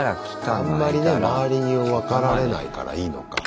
あんまりね周りに分かられないからいいのか。